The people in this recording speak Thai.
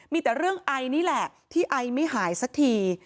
มีแต่เรื่องไอนี่แหละที่ไอไม่หายสักที